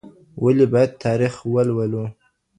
ولي بايد تاريخ ولولو؟